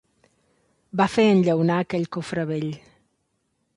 Va fer enllaunar aquell cofre vell.